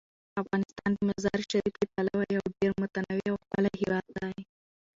افغانستان د مزارشریف له پلوه یو ډیر متنوع او ښکلی هیواد دی.